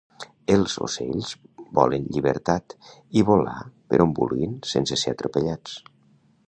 Els ocells volen llibertat i volar per on vulguin sense ser atropellats